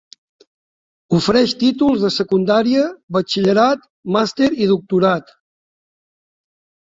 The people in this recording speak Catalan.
Ofereix títols de secundària, batxillerat, màster i doctorat.